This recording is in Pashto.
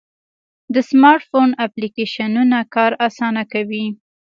د سمارټ فون اپلیکیشنونه کار آسانه کوي.